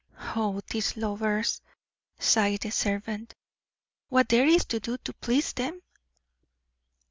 "Oh, these lovers," sighed the servant. "What there is to do to please them!"